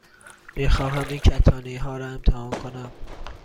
می خواهم این کتانی ها را امتحان کنم.